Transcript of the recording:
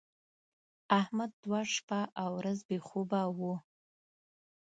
احمد دوه شپه او ورځ بې خوبه و.